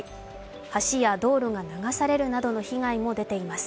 橋や道路が流されるなどの被害も出ています。